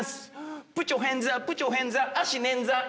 「プチョヘンザプチョヘンザ足捻挫痛ーい！」